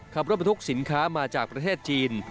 ขับรถบรรทุกสินค้ามาจากประเทศจีน